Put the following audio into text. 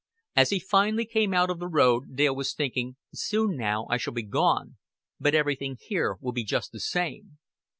As he finally came out on the road, Dale was thinking, "Soon now I shall be gone, but everything here will be just the same.